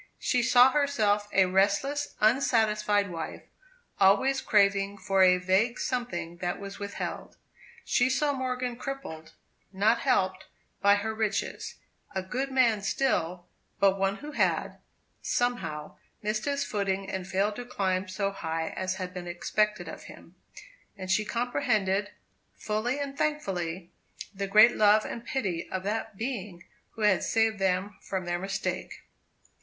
She saw herself a restless, unsatisfied wife, always craving for a vague something that was withheld. She saw Morgan crippled, not helped, by her riches; a good man still, but one who had, somehow, missed his footing, and failed to climb so high as had been expected of him. And she comprehended, fully and thankfully, the great love and pity of that Being who had saved them from their mistake.